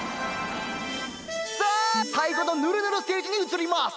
さあさいごのぬるぬるステージにうつります！